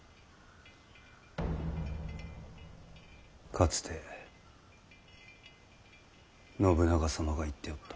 かつて信長様が言っておった。